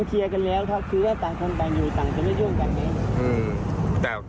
คือว่าต่างคนต่างอยู่ต่างจะไม่ยุ่งกันเลย